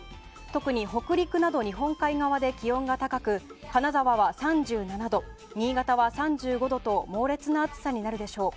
特に北陸など日本海側で気温が高く金沢は３７度、新潟は３５度と猛烈な暑さになるでしょう。